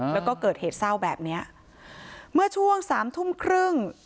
แล้วก็เกิดเหตุเศร้าแบบเนี้ยเมื่อช่วงสามทุ่มครึ่ง